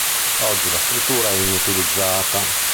Oggi la struttura è inutilizzata.